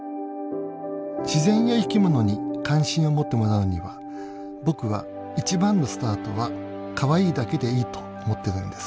自然や生きものに関心を持ってもらうには僕は一番のスタートはかわいいだけでいいと思ってるんです。